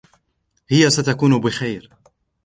هي ستكون بخير